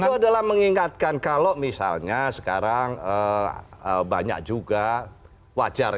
itu adalah mengingatkan kalau misalnya sekarang banyak juga wajar